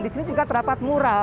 di sini juga terdapat mural